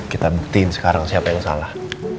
kita buktiin sekarang siapa yang salah